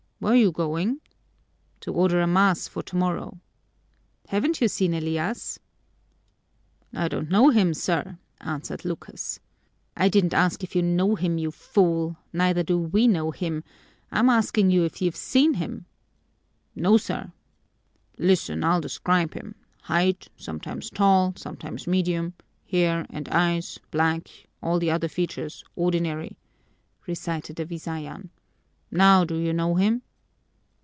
"Where you going?" "To order a mass for tomorrow." "Haven't you seen Elias?" "I don't know him, sir," answered Lucas. "I didn't ask you if you know him, you fool! Neither do we know him. I'm asking you if you've seen him." "No, sir." "Listen, I'll describe him: Height, sometimes tall, sometimes medium; hair and eyes, black; all the other features, ordinary," recited the Visayan. "Now do you know him?"